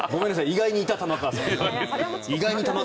意外にいた玉川さん。